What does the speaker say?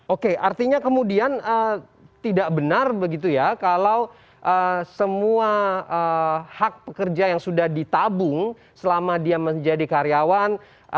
oke artinya kemudian tidak benar begitu ya kalau semua hak pekerja yang sudah ditabung selama dia menjadi karyawan